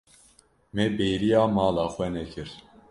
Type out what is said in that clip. Me bêriya mala xwe nekir.